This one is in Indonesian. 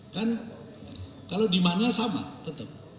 kan kalau di mana sama tetep